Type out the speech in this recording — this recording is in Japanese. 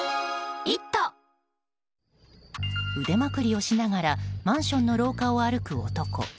腕まくりをしながらマンションの廊下を歩く男。